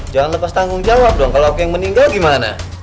jangan lepas tanggung jawab dong kalau yang meninggal gimana